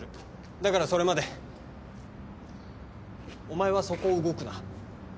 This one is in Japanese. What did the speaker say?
だからそれまでお前はそこを動くな。